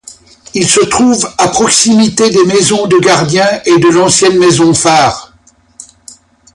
Il se trouve à proximité des maisons de gardien et de l'ancienne maison-phare.